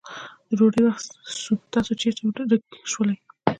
د ډوډی وخت سو تاسو چیري ورک سولې.